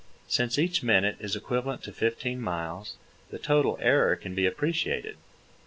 Since each minute is equivalent to fifteen miles, the total error can be appreciated.